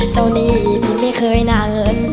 เจ้านี่ที่ไม่เคยหน่าเงิน